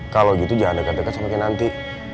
kalau gitu jangan deket deket semakin nanti